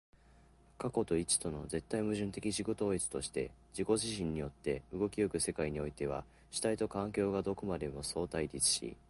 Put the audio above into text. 多と一との絶対矛盾的自己同一として自己自身によって動き行く世界においては、主体と環境とがどこまでも相対立し、